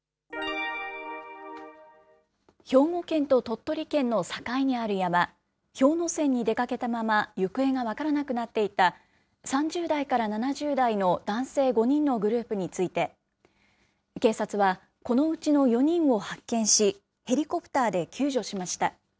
兵庫県と鳥取県の境にある山、氷ノ山に出かけたまま行方が分からなくなっていた、３０代から７０代の男性５人のグループについて、警察はこのうちの４人を発見し、ヘリコプターで救助しました。